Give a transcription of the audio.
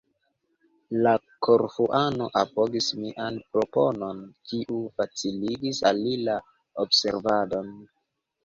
La Korfuano apogis mian proponon, kiu faciligis al li la observadon.